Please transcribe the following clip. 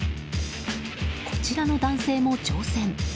こちらの男性も挑戦。